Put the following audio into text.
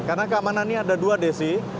karena keamanannya ada dua sih